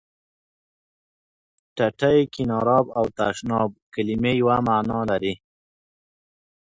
ټټۍ، کېناراب او تشناب کلمې یوه معنا لري.